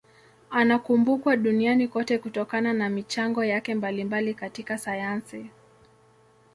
Anakumbukwa duniani kote kutokana na michango yake mbalimbali katika sayansi.